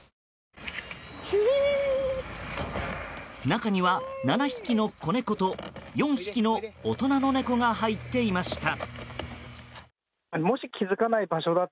中には７匹の子猫と４匹の大人の猫が入っていました。